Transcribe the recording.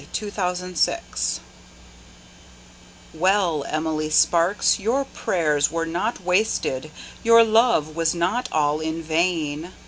Reuben Pantier Well, Emily Sparks, your prayers were not wasted, Your love was not all in vain.